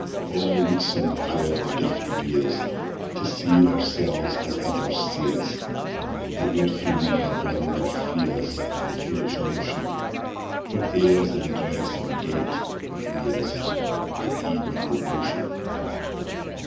O wad some Power the giftie gie us To see oursels as ithers see us! It wad frae mony a blunder free us, An' foolish notion: What airs in dress an' gait wad lea'e us, An' ev'n devotion!